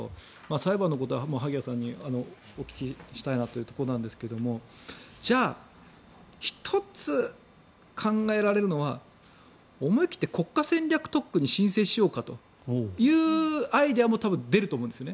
裁判のことは萩谷さんにお聞きしたいなというところですがじゃあ、１つ考えられるのは思い切って国家戦略特区に申請しようかというアイデアも多分出ると思うんですね。